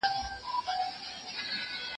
زه سبزیحات تيار کړي دي؟